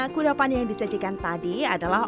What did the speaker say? kudapan yang disajikan tadi adalah